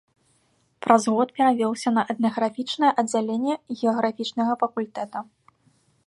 Праз год перавёўся на этнаграфічнае аддзяленне геаграфічнага факультэта.